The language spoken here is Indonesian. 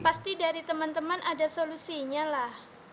pasti dari teman teman ada solusinya lah